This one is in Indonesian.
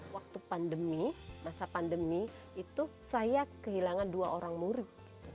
waktu pandemi masa pandemi itu saya kehilangan dua orang murid